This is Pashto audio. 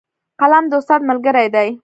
قلم د استاد ملګری دی